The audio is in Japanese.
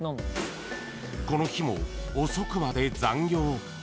［この日も遅くまで残業］